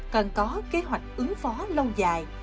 cần có kế hoạch ứng phó lâu dài